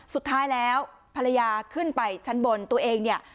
สุดท้ายแล้วภรรยาขึ้นไปชั้นบนตัวเองเนี่ย